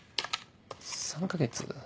３か月。